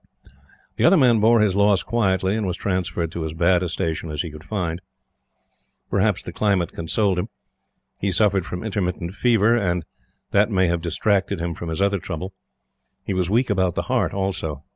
The Other Man bore his loss quietly, and was transferred to as bad a station as he could find. Perhaps the climate consoled him. He suffered from intermittent fever, and that may have distracted him from his other trouble. He was weak about the heart also.